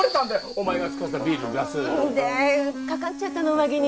お前が使ってたビールのグラス。で掛かっちゃったの上着に。